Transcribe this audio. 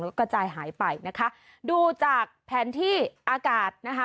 แล้วก็กระจายหายไปนะคะดูจากแผนที่อากาศนะคะ